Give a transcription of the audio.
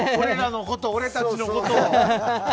俺たちのことを。